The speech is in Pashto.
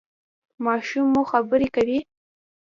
ماشوم مو خبرې کوي؟